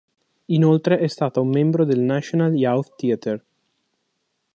Inoltre è stata un membro del National Youth Theatre.